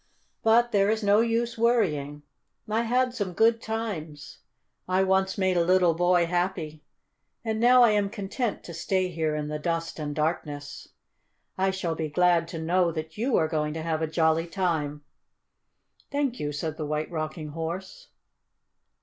But there is no use worrying. I had some good times, I once made a little boy happy, and now I am content to stay here in the dust and darkness. I shall be glad to know that you are going to have a jolly time." "Thank you," said the White Rocking Horse.